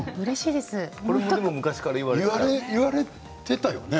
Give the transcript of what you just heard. これも言われてたよね。